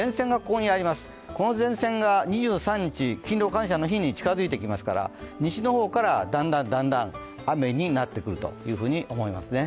この前線が２３日勤労感謝の日に近づいてきますから西の方からだんだん雨になってくると思いますね。